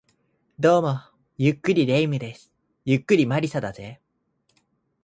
どうも、ゆっくり霊夢です。ゆっくり魔理沙だぜ